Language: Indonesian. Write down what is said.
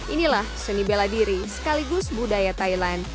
inilah seni bela diri sekaligus budaya thailand